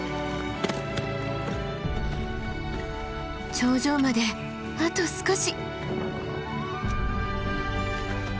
頂上まであと少し！